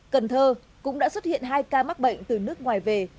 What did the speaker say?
cần thơ cũng đã xuất hiện hai ca mắc bệnh từ nước ngoài về